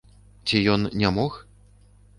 Ці ён не мог?